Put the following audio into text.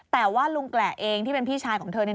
แต่ว่าลุงแกละเองที่เป็นพี่ชายของเธอเนี่ย